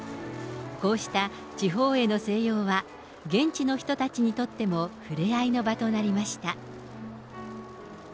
こうした地方への静養は、現地の人たちにとってもふれあいの場となりました。